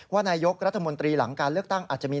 นายกรัฐมนตรีหลังการเลือกตั้งอาจจะมี